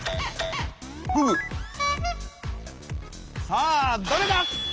さあどれだ？